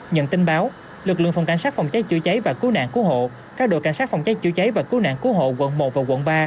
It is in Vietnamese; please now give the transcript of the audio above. nhận tin báo lực lượng phòng cảnh sát phòng cháy chữa cháy và cứu nạn cứu hộ các đội cảnh sát phòng cháy chữa cháy và cứu nạn cứu hộ quận một và quận ba